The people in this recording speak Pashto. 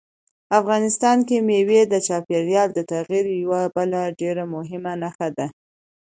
افغانستان کې مېوې د چاپېریال د تغیر یوه بله ډېره مهمه نښه ده.